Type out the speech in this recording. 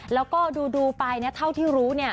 แล้วก็ดูไปเท่าที่รู้